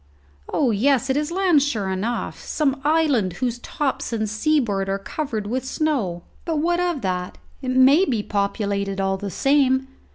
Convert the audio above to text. Oh yes, it is land, sure enough! some island whose tops and seaboard are covered with snow. But what of that? It may be populated all the same.